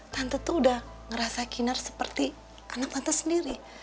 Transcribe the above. tante tuh udah ngerasa kinar seperti anak tante sendiri